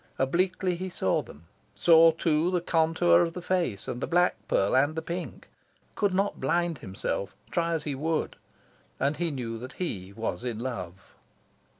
Obliquely, he saw them; saw, too, the contour of the face, and the black pearl and the pink; could not blind himself, try as he would. And he knew that he was in love.